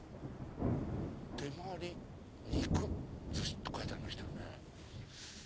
「手毬肉寿司」って書いてありましたよね。